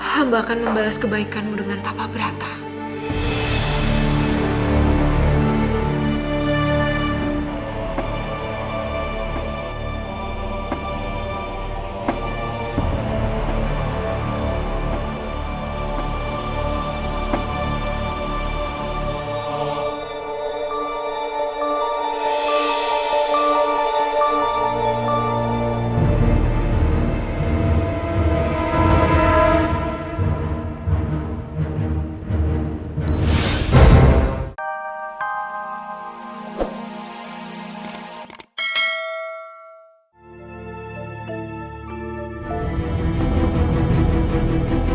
sampai jumpa di video selanjutnya